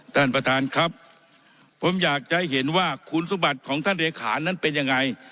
ท่านประธานครับผมอยากจะให้เห็นว่าคุณสมบัติของท่านเลขานั้นเป็นยังไง